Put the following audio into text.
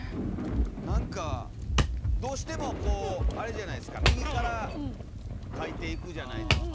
何かどうしてもこうあれじゃないですか右から書いていくじゃないですか。